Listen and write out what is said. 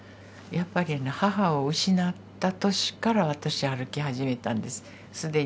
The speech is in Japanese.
やっぱりね母を失った年から私歩き始めたんです。